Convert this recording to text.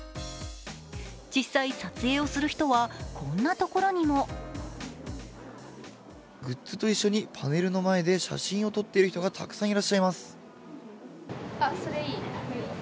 実際、撮影をする人はこんなところにもグッズと一緒にパネルの前で写真を撮っている人がたくさんいます。